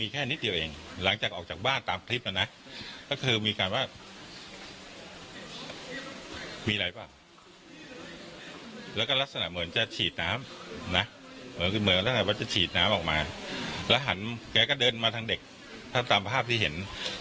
แกก็เดินมาทางเด็กตามภาพที่เห็น